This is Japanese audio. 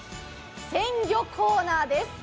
鮮魚コーナーです。